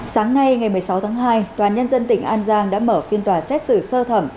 sáng nay ngày một mươi sáu tháng hai tòa nhân dân tỉnh an giang đã mở phiên tòa xét xử sơ thẩm